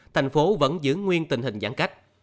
thành phố vẫn giữ nguyên tình hình giãn cách